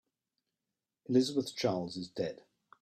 Elizabeth Charles is dead.